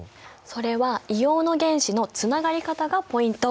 それは硫黄の原子のつながり方がポイント！